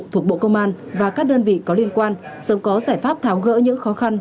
thuộc bộ công an và các đơn vị có liên quan sớm có giải pháp tháo gỡ những khó khăn